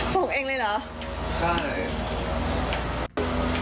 ส่งเองเลยเหรอใช่